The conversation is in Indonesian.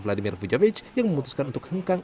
vladimir vujovic yang memutuskan untuk hengkang